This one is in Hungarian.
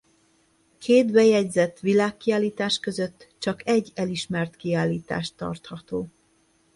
Két bejegyzett világkiállítás között csak egy elismert kiállítás tartható.